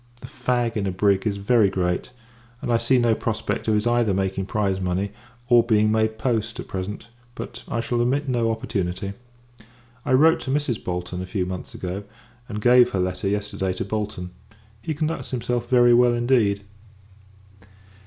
The fag in a brig is very great; and I see no prospect of his either making prize money, or being made post, at present: but, I shall omit no opportunity. I wrote to Mrs. Bolton a few months ago; and gave her letter, yesterday, to Bolton. He conducts himself very well, indeed.